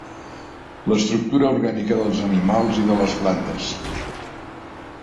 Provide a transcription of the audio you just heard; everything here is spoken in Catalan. L'estructura orgànica dels animals i de les plantes.